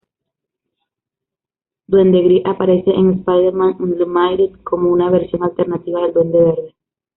Duende Gris aparece en "Spider-Man Unlimited" como una versión alternativa del Duende Verde.